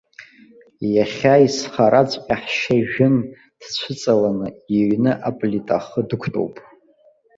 Иахьа изхараҵәҟьа ҳшьа ижәын, дцәыҵаланы, иҩны аплита ахы дықәтәоуп.